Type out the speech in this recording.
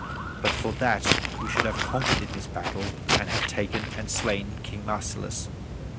But for that we should have conquered in this battle, and have taken and slain King Marsilas.